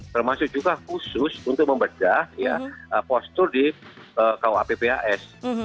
termasuk juga khusus untuk membedah ya postur di kuapps